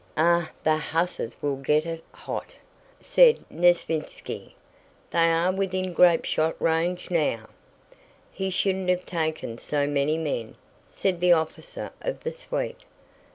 "Ugh. The hussars will get it hot!" said Nesvítski; "they are within grapeshot range now." "He shouldn't have taken so many men," said the officer of the suite.